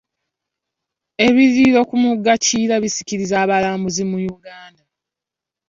Ebiyiriro ku mugga kiyira bisikiriza abalambuzi mu Uganda.